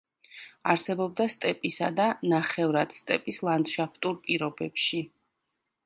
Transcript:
არსებობდა სტეპისა და ნახევრად სტეპის ლანდშაფტურ პირობებში.